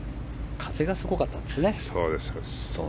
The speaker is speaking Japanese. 風がすごかったんですね。